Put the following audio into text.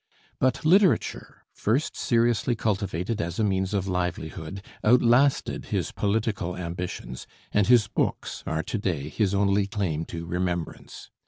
But literature, first seriously cultivated as a means of livelihood, outlasted his political ambitions, and his books are to day his only claim to remembrance.